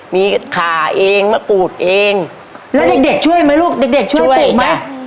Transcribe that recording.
มีขาเองมะปูดเองแล้วเด็กเด็กช่วยไหมลูกเด็กเด็กช่วยปลูกไหม